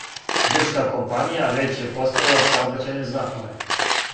Грчка компанија већ је поставила саобраћајне знакове.